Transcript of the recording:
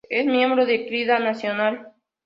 Es miembro de Crida Nacional.